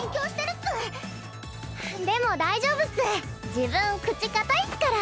自分口堅いっスから。